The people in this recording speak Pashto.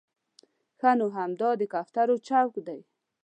ښه نو همدا د کوترو چوک دی.